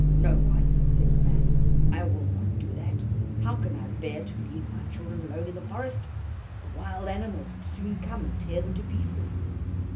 "No, wife," said the man, "I will not do that; how can I bear to leave my children alone in the forest?—the wild animals would soon come and tear them to pieces."